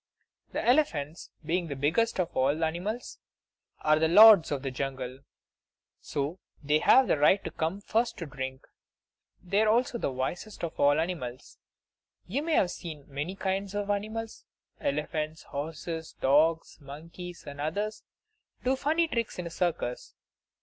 The elephants, being the biggest of all animals, are the lords of the jungle; so they have the right to come first to drink. They are also the wisest of all animals. You have seen many kinds of animals elephants, horses, dogs, monkeys, and others do funny tricks in a circus.